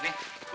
masih ada bang